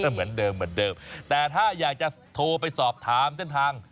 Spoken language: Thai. เหมือนเดิมเหมือนเดิมแต่ถ้าอยากจะโทรไปสอบถามเส้นทาง